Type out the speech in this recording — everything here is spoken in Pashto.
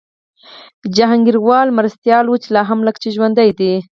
جهانګیروال یې مرستیال و چي لا هم لکه چي ژوندی دی